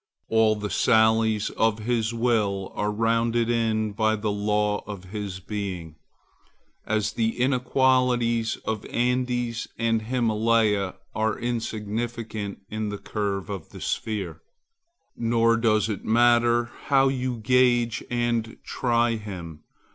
All the sallies of his will are rounded in by the law of his being, as the inequalities of Andes and Himmaleh are insignificant in the curve of the sphere. Nor does it matter how you gauge and try him.